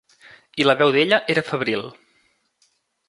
I la veu d'ella era febril.